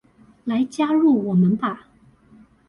來加入我們吧